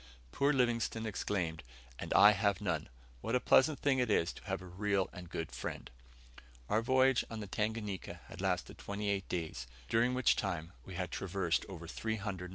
Poor Livingstone exclaimed, "And I have none. What a pleasant thing it is to have a real and good friend!" Our voyage on the Tanganika had lasted twenty eight days, during which time we had traversed over 300 miles of water.